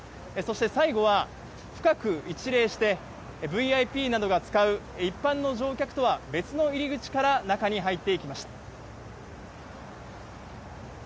最後は深く一礼してＶＩＰなどが使う一般の乗客とは別の入り口から中に入っていきました。